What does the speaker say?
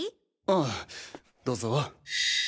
あどうぞ。